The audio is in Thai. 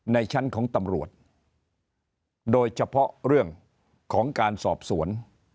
ในชั้นของตำรวจโดยเฉพาะเรื่องของการสอบสวน